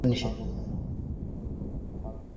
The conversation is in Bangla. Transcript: তাহলে বাবার কাছে যান।